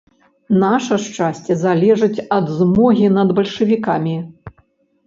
Наша шчасце залежыць ад змогі над бальшавікамі.